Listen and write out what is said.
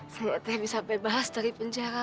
saya bisa bebas dari penjara